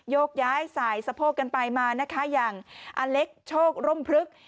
ยกย้ายสายสะโพกกันไปมานะคะอย่างอเล็กโชคร่มพลึก